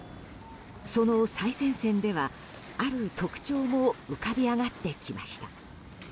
その最前線では、ある特徴も浮かび上がってきました。